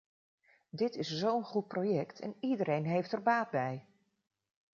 Dit is zo'n goed project en iedereen heeft er baat bij.